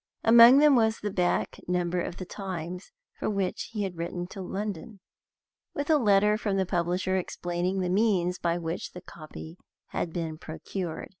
Among them was the back number of the Times for which he had written to London, with a letter from the publisher explaining the means by which the copy had been procured.